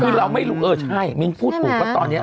คือเราไม่รู้เออใช่มิ้นพูดถูกว่าตอนนี้